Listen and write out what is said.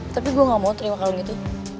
tapi gue gak mau terima kalung itu